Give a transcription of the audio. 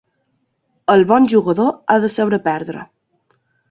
El bon jugador ha de saber perdre.